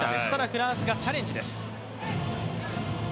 フランスがチャレンジです。